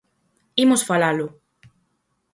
Imos falalo.